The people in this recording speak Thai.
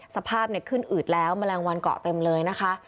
สภาพขึ้นอืดแล้วแมลงวันเกาะเต็มเลยนะคะ